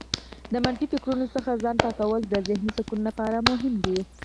د منفي فکرونو څخه ځان پاکول د ذهنې سکون لپاره مهم دي.